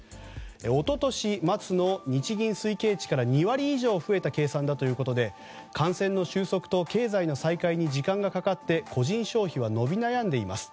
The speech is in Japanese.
一昨年末の日銀推計値から２割以上増えた計算だということで感染の収束と経済の再開に時間がかかって個人消費は伸び悩んでいます。